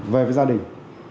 về với gia đình